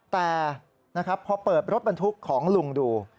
แต่นะครับพอเปิดรถบรรทุกของลุงดู